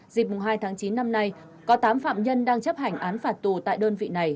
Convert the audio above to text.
dịp hai tháng chín năm nay có tám phạm nhân đang chấp hành án phạt tù tại đơn vị này